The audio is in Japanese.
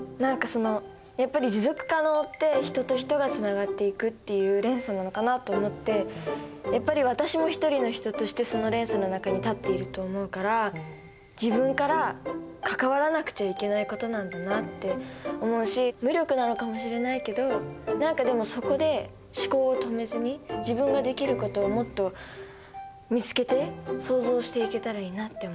やっぱり持続可能って人と人とがつながっていくっていう連鎖なのかなと思ってやっぱり私も一人の人としてその連鎖の中に立っていると思うから自分から関わらなくちゃいけないことなんだなって思うし無力なのかもしれないけど何かでもそこで思考を止めずに自分ができることをもっと見つけて想像していけたらいいなって思いました。